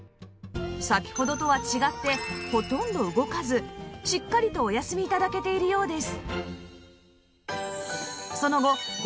先ほどとは違ってほとんど動かずしっかりとお休み頂けているようです